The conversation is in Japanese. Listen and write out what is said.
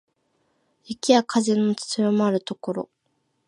雪や風の強まる所